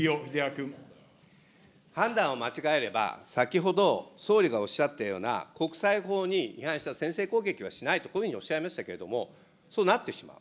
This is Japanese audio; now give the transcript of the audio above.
判断を間違えれば、先ほど総理がおっしゃったような、国際法に違反した先制攻撃はしないと、こういうふうにおっしゃいましたけれども、そうなってしまう。